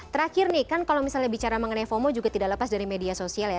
terakhir nih kan kalau misalnya bicara mengenai fomo juga tidak lepas dari media sosial ya